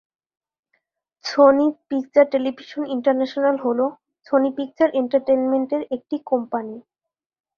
Sony Picture Television International হল Sony Picture Entertainment এর একটি কোম্পানী।